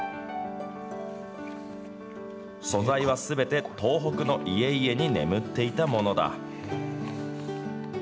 素材はすべて東北の家々に眠っていたものだ。